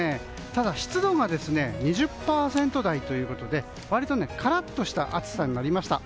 ただ湿度が２０％台ということで割とカラッとした暑さになりました。